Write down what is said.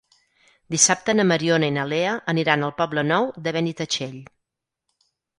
Dissabte na Mariona i na Lea aniran al Poble Nou de Benitatxell.